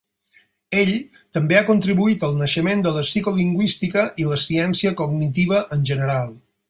Ell també ha contribuït al naixement de la psicolingüística i la ciència cognitiva en general.